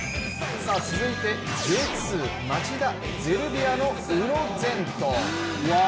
続いてＪ２、町田ゼルビアの宇野禅斗。